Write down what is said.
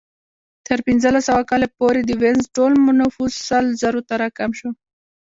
تر پنځلس سوه کال پورې د وینز ټول نفوس سل زرو ته راکم شو